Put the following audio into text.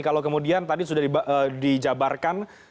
kalau kemudian tadi sudah dijabarkan